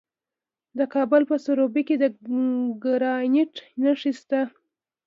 د کابل په سروبي کې د ګرانیټ نښې شته.